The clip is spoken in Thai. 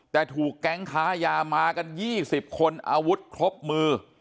แต่ถูกแก๊งค้ายามากัน๒๐คนอาวุธครบมือ